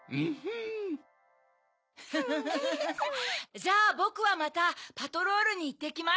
じゃあボクはまたパトロールにいってきます。